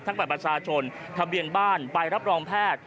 บัตรประชาชนทะเบียนบ้านใบรับรองแพทย์